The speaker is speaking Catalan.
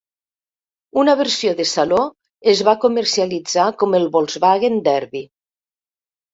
Una versió de saló es va comercialitzar com el Volkswagen Derby.